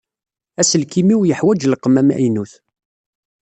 Aselkim-iw yeḥwaǧ lqem amaynut.